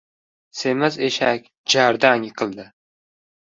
• Semiz eshak jardan yiqildi.